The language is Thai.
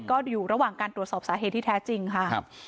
ก็อยู่ระหว่างการตรวจสอบสาเหตุที่แท้จริงค่ะ